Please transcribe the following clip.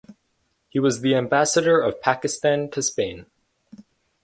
He was the ambassador of Pakistan to Spain.